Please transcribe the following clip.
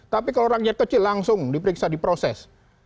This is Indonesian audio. tapi kalau rakyat kecil langsung diperiksa diproses